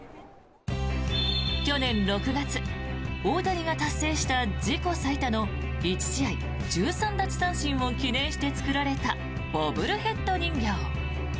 去年６月、大谷が達成した自己最多の１試合１３奪三振を記念して作られたボブルヘッド人形。